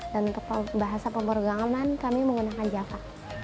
dan untuk bahasa pemorgaman kami menggunakan java